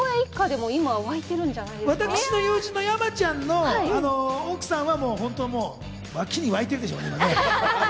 私の友人の山ちゃんの奥さんは本当に沸きに沸いているでしょうね。